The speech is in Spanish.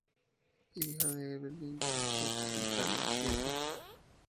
Hija de Evelyn Stock y Carlos Prieto.